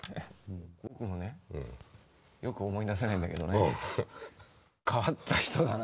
僕ねよく思い出せないんだけどね変わった人だね。